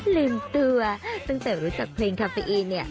ลืมตัวตั้งแต่รู้จักเพลงคาเฟอีเนี่ย